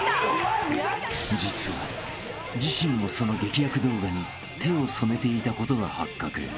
［実は自身もその劇薬動画に手を染めていたことが発覚］